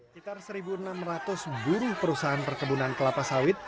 kitar satu enam ratus buruh perusahaan perkebunan kelapa sawit